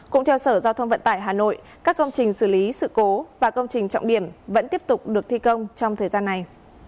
cũng theo sở giao thông vận tải hà nội các công trình xử lý sự cố và công trình trọng điểm vẫn tiếp tục được thi công trong thời gian này